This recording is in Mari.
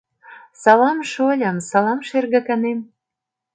— Салам, шольым, салам, шергаканем.